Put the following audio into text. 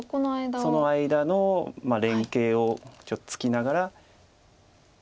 その間の連係をちょっとつきながら。